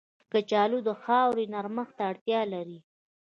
کچالو د خاورې نرمښت ته اړتیا لري